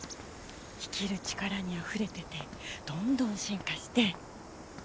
生きる力にあふれててどんどん進化して目が離せない。